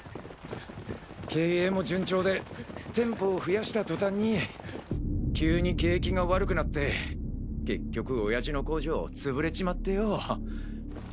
経営も順調で店舗を増やした途端に急に景気が悪くなって結局親父の工場潰れちまってよ。